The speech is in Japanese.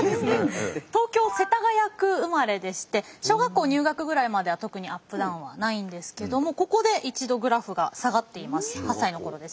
東京・世田谷区生まれでして小学校入学ぐらいまでは特にアップダウンはないんですけどもここで一度グラフが下がっています。